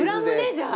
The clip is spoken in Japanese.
じゃあ。